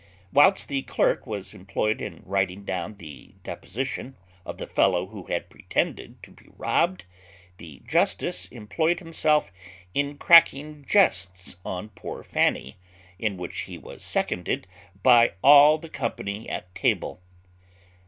Whilst the clerk was employed in writing down the deposition of the fellow who had pretended to be robbed, the justice employed himself in cracking jests on poor Fanny, in which he was seconded by all the company at table.